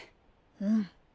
うん。